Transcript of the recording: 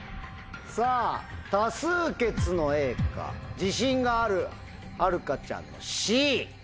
さぁ多数決のＡか自信があるはるかちゃんのＣ。